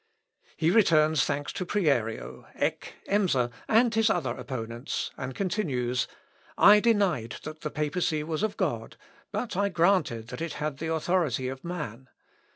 He returns thanks to Prierio, Eck, Emser, and his other opponents, and continues "I denied that the papacy was of God, but I granted that it had the authority of man.